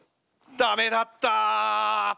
ダメだった！